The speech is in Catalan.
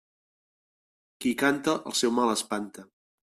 Qui canta, el seu mal espanta.